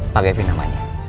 pak kevin namanya